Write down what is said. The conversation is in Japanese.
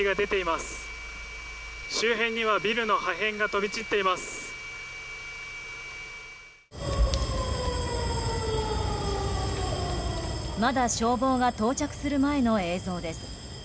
まだ消防が到着する前の映像です。